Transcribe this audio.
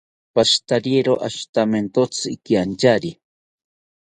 Pashitariero ashitawontzi ikiantyari